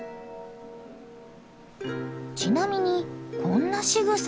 ちなみにこんなしぐさをするネコも。